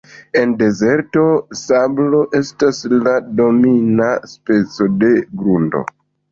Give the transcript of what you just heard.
En dezerto, sablo estas la domina speco de grundo.